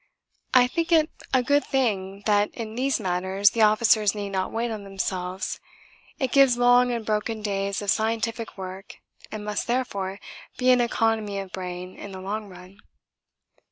I think it a good thing that in these matters the officers need not wait on themselves; it gives long unbroken days of scientific work and must, therefore, be an economy of brain in the long run.